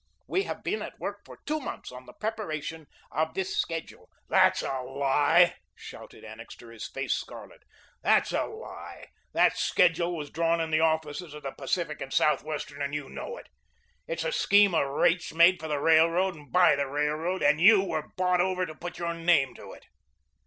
We have been at work for two months on the preparation of this schedule " "That's a lie," shouted Annixter, his face scarlet; "that's a lie. That schedule was drawn in the offices of the Pacific and Southwestern and you know it. It's a scheme of rates made for the Railroad and by the Railroad and you were bought over to put your name to it."